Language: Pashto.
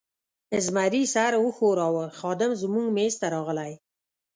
زمري سر و ښوراوه، خادم زموږ مېز ته راغلی.